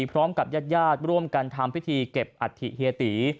พร้อมกับญาติญาติร่วมกันทำพิธีเก็บอัฐิเฮียตี